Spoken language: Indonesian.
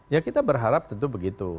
ya kita berharap tentu begitu